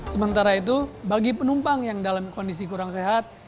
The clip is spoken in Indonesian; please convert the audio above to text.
sementara itu bagi penumpang yang dalam kondisi kurang sehat